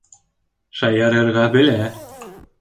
Шаярырға белә.